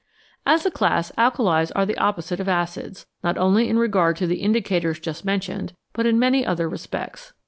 As a class, alkalis are the opposite of acids, not only in regard to the indicators just mentioned, but in many other respects.